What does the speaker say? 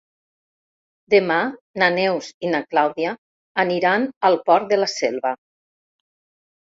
Demà na Neus i na Clàudia aniran al Port de la Selva.